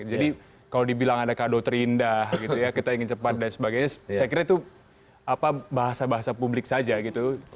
jadi kalau dibilang ada kado terindah gitu ya kita ingin cepat dan sebagainya saya kira itu bahasa bahasa publik saja gitu